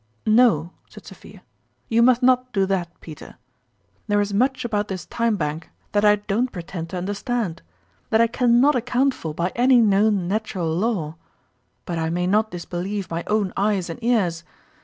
" No," said Sophia, " you must not do that, Peter. There is much about this Time Bank that I don't pretend to understand, that I can not account for by any known natural law ; but I may not disbelieve my own eyes and ears